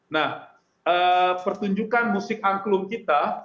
nah pertunjukan musik angklung kita